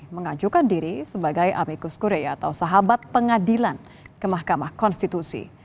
mengajukan diri sebagai amikus kure atau sahabat pengadilan ke mahkamah konstitusi